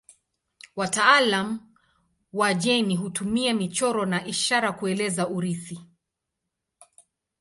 Wataalamu wa jeni hutumia michoro na ishara kueleza urithi.